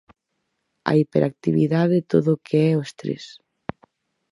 A hiperactividade e todo o que é o estrés...